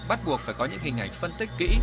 bắt buộc phải có những hình ảnh phân tích kỹ